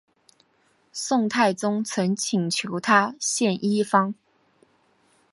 宋太宗曾请求他献医方。